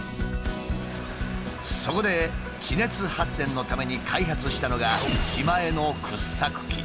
そこで地熱発電のために開発したのが自前の掘削機。